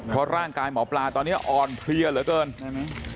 เพราะร่างกายหมอปลาตอนนี้อ่อนเพลียเหลือเกิน